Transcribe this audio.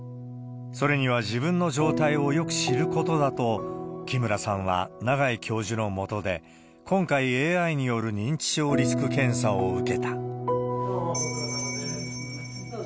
それには自分の状態をよく知ることだと、木村さんは長井教授のもとで、今回、ＡＩによる認知症リスク検査を受けた。